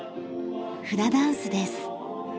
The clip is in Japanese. フラダンスです。